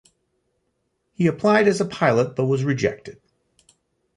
He applied as a pilot but was rejected.